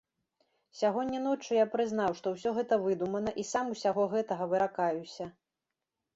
Сягоння ноччу я прызнаў, што ўсё гэта выдумана, і сам усяго гэтага выракаюся.